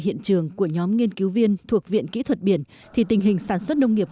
hiện trường của nhóm nghiên cứu viên thuộc viện kỹ thuật biển thì tình hình sản xuất nông nghiệp